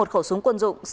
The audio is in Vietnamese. một khẩu súng quân dụng